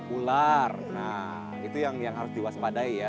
ular nah itu yang harus diwaspadai ya